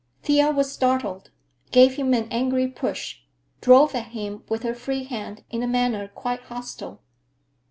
Thea was startled, gave him an angry push, drove at him with her free hand in a manner quite hostile.